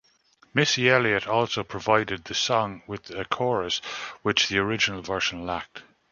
Missy Elliot also provided the song with a chorus which the original version lacked.